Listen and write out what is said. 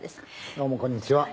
どうもこんにちは。